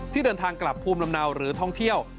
เดินทางกลับภูมิลำเนาหรือท่องเที่ยว